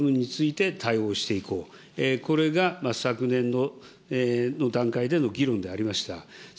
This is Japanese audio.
この部分について対応していこう、これが昨年の段階での議論でありました。